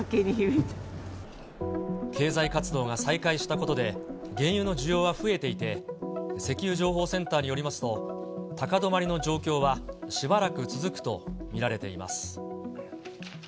経済活動が再開したことで、原油の需要は増えていて、石油情報センターによりますと、高止まりの状況は、しばらく続くと見られています。